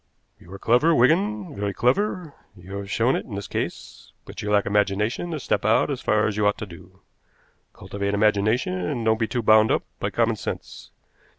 "You are clever, Wigan, very clever. You have shown it in this case. But you lack imagination to step out as far as you ought to do. Cultivate imagination, and don't be too bound up by common sense.